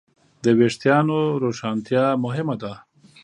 د وېښتیانو روښانتیا مهمه ده.